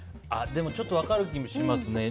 でも、ちょっと分かる気もします。